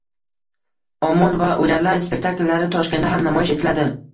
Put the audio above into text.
“Imon” va “O‘jarlar” spektakllari Toshkentda ham namoyish etiladi